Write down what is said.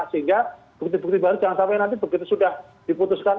sehingga bukti bukti baru jangan sampai nanti begitu sudah diputuskan